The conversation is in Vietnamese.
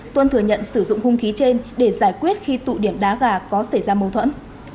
tuân thừa nhận sử dụng hung khí trên để giải quyết khi tụ điểm đá gà có xảy ra mâu thuẫn